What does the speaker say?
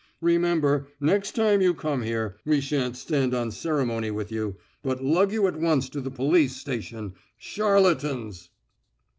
Remember, next time you come here, we shan't stand on ceremony with you, but lug you at once to the police station. Charlatans!"